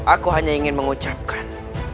aku hanya ingin mengucapkan